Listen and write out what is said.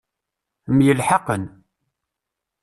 Myelḥaqen.